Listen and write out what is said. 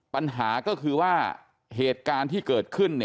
ปัญหาก็คือว่าเหตุการณ์ที่เกิดขึ้น